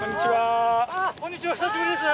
こんにちは久しぶりです。